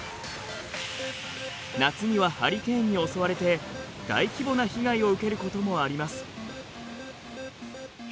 夏にはハリケーンに襲われて大規模な被害を受けることもあります。